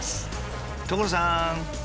所さん！